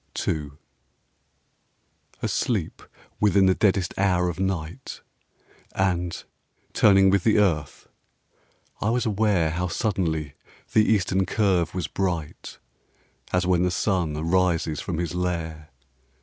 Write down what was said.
TO Asleep within the deadest hour of night And, turning with the earth, I was aware How suddenly the eastern curve was bright, As when the sun arises from his lair.